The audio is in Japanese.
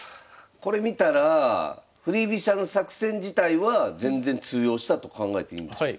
これ見たら振り飛車の作戦自体は全然通用したと考えていいんでしょうか。